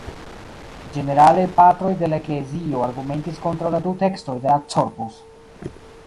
Ĝenerale Patroj de la Eklezio argumentis kontraŭ la du tekstoj de la Corpus.